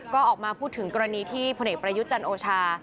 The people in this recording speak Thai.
ก็ออกมาพูดถึงกรณีที่พรเทปะรายุจรรค์โอชา